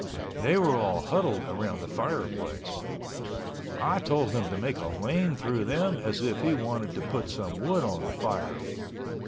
They were all huddled around the fireplace. I told him to make a lane through them as if he wanted to put some wood on the fire.